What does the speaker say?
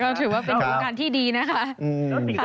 ก็ถือว่าเป็นโครงการที่ดีนะคะ